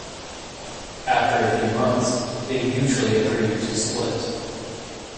After a few months, they mutually agreed to split.